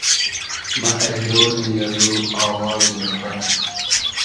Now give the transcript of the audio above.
مۂ اݷرۉنی ازو آوازی نوربئن